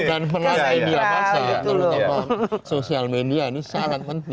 dan pelayan di jakarta terutama social media ini sangat penting